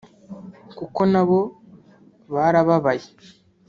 kuko nabo barababaye